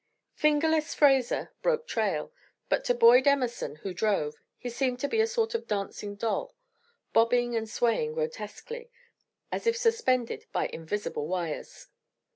"Fingerless" Fraser broke trail, but to Boyd Emerson, who drove, he seemed to be a sort of dancing doll, bobbing and swaying grotesquely, as if suspended by invisible wires.